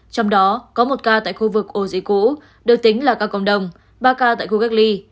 trong đó có một ca tại khu vực ổ dịch cũ được tính là ca cộng đồng ba ca tại khu cách ly